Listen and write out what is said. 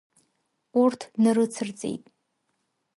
Урҭ днарыцырҵеит.